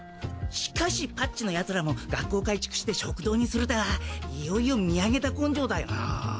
しかしパッチのヤツらも学校改築して食堂にするたぁいよいよ見上げた根性だよな。